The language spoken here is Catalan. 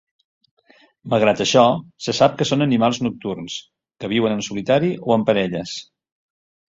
Malgrat això, se sap que són animals nocturns, que viuen en solitari o en parelles.